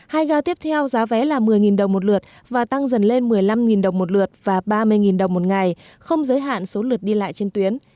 hai ga tiếp theo giá vé là một mươi đồng một lượt và tăng dần lên một mươi năm đồng một lượt và ba mươi đồng một ngày không giới hạn số lượt đi lại trên tuyến